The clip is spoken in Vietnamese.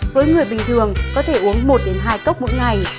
với người bình thường có thể uống một hai cốc mỗi ngày